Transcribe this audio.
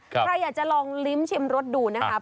ใครอยากจะลองลิ้มชิมรสดูนะครับ